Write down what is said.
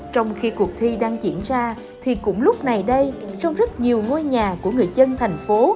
trong khi cuộc thi đang diễn ra thì cũng lúc này đây trong rất nhiều ngôi nhà của người dân thành phố